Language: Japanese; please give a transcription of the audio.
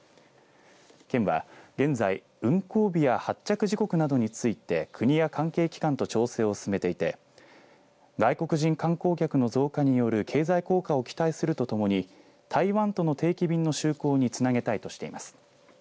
県は現在、運航日や発着時刻などについて国や関係機関と調整を進めていて外国人観光客の増加による経済効果を期待するとともに台湾との定期便の就航につなげたいとしています。